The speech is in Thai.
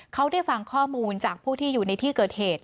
เขาได้ฟังข้อมูลจากผู้ที่อยู่ในที่เกิดเหตุ